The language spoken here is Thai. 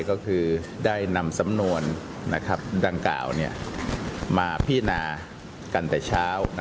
ก็คือได้นำสำนวนดังกล่าวมาพินากันแต่เช้า